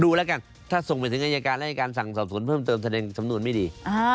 ดูแล้วกันถ้าส่งไปถึงอายการแล้วอายการสั่งสอบสวนเพิ่มเติมแสดงสำนวนไม่ดี